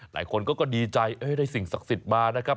หลายคนก็ดีใจได้สิ่งศักดิ์สิทธิ์มานะครับ